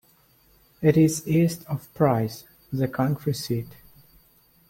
It is east of Price, the county seat.